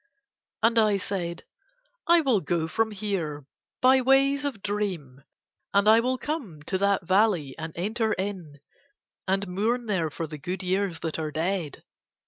And I said: I will go from here by ways of dream and I will come to that valley and enter in and mourn there for the good years that are dead.